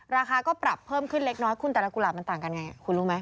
ราคาก็ปรับเพิ่มขึ้นเล็กน้อยคุณแต่ละกุหลาบมันต่างกันไงคุณรู้ไหม